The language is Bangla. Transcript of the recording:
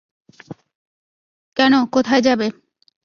কেন, কোথায় যাবে।